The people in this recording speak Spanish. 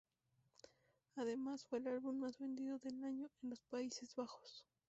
Además, fue el álbum más vendido del año en los Países Bajos.